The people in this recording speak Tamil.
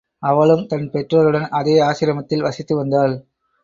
அவளும் தன் பெற்றோருடன் அதே ஆசிரமத்தில் வசித்து வந்தாள்.